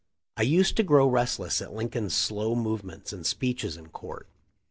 I used to grow restless at Lincoln's slow move ments and speeches in court.